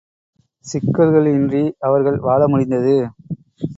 சிக்கல்கள் இன்றி அவர்கள் வாழ முடிந்தது.